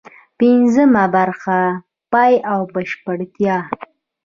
پنځمه برخه: پای او بشپړتیا